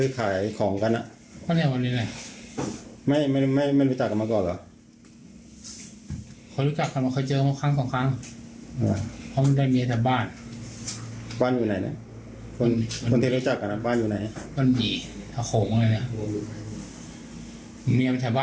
แค่มีอำเมษาบาลเราก็เลิกไปแล้วจากวันนู้น